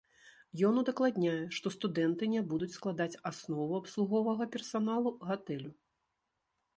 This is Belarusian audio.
Ён удакладняе, што студэнты не будуць складаць аснову абслуговага персаналу гатэлю.